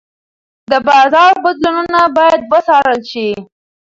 د بازار بدلونونه باید وڅارل شي.